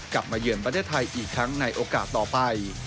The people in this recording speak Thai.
มาเยือนประเทศไทยอีกครั้งในโอกาสต่อไป